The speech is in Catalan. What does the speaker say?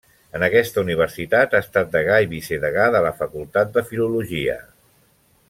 En aquesta universitat ha estat degà i vicedegà de la Facultat de Filologia.